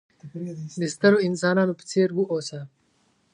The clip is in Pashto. د سترو انسانانو په څېر وه اوسه!